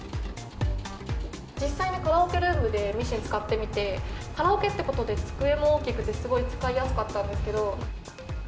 実際にカラオケルームでミシンを使ってみてカラオケってことで机も大きくて使いやすかったんですけど。